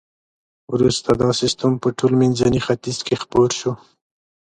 وروسته دا سیستم په ټول منځني ختیځ کې خپور شو.